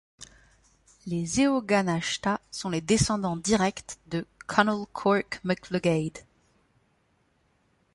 Les Eóganachta sont les descendants directs de Conall Corc mac Lugaid.